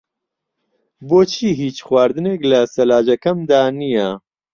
بۆچی هیچ خواردنێک لە سەلاجەکەمدا نییە؟